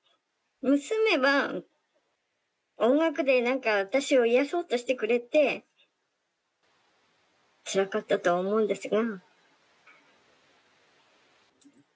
娘は音楽で何か私を癒やそうとしてくれて、つらかったと思うんですが。